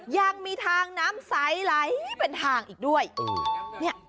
ยังมีทางน้ำใสไหลเป็นทางอีกด้วย